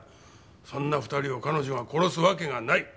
そんな２人を彼女が殺すわけがない。